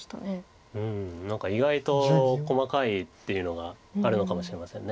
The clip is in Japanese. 何か意外と細かいっていうのがあるのかもしれません。